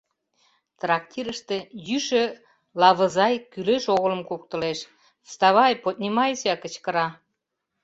— Трактирыште йӱшӧ лавызай кӱлеш-огылым куктылеш, «Вставай, поднимайся» кычкыра.